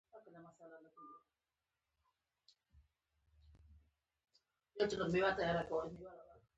خو داسې نه چې ځان ته زیان ورسوي.